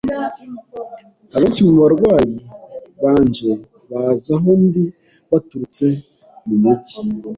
Abenshi mu barwayi banje baza aho ndi baturutse mu mujyi.